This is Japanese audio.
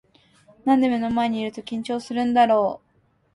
なんで目の前にいると緊張するんだろう